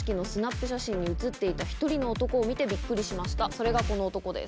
それがこの男です。